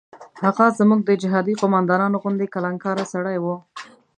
هغه زموږ د جهادي قوماندانانو غوندې کلانکاره سړی و.